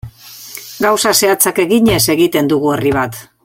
Gauza zehatzak eginez egiten dugu herri bat.